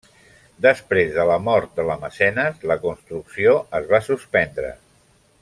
Després de la mort de la mecenes, la construcció es va suspendre.